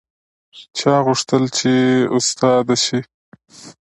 چا غوښتل چې استاده شي